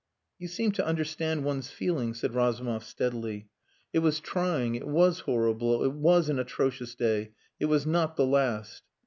"You seem to understand one's feelings," said Razumov steadily. "It was trying. It was horrible; it was an atrocious day. It was not the last."